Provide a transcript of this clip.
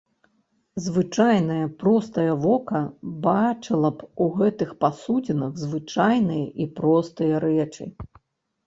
Звычайнае, простае вока бачыла б у гэтых пасудзінах звычайныя і простыя рэчы.